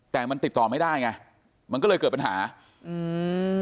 แต่มันติดต่อไม่ได้ไงมันก็เลยเกิดปัญหาอืม